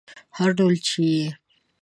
هر ډول چې یې